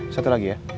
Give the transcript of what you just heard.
satu lagi ya